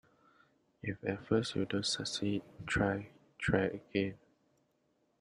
If at first you don't succeed, try, try again.